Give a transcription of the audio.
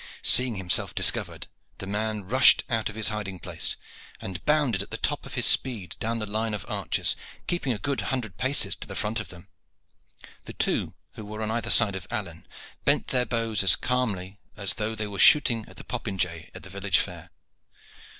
Seeing himself discovered, the man rushed out from his hiding place, and bounded at the top of his speed down the line of archers, keeping a good hundred paces to the front of them. The two who were on either side of Alleyne bent their bows as calmly as though they were shooting at the popinjay at the village fair.